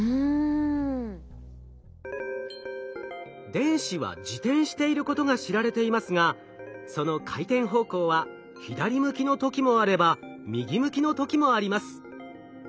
電子は自転していることが知られていますがその回転方向は左向きの時もあれば右向きの時もあります。